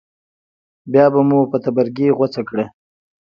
بیا به مو په تبرګي غوڅه کړه.